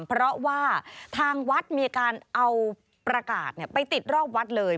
เพราะว่าทางวัดมีการเอาประกาศไปติดรอบวัดเลย